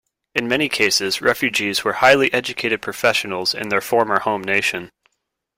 In many cases, Refugees were highly educated professionals in their former home nation.